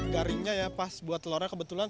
garingnya ya pas buat telurnya kebetulan